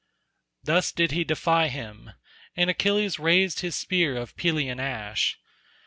Thus did he defy him, and Achilles raised his spear of Pelian ash.